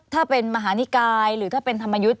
ถ้าเป็นมหานิกายหรือถ้าเป็นธรรมยุทธ์